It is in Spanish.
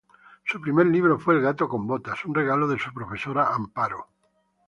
Su primer libro fue "El gato con botas", un regalo de su profesora Amparo.